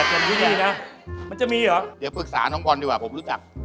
มันจะมีนะมันจะมีเหรอเดี๋ยวฝืกษานไอ้ท่องโทรพ่อดี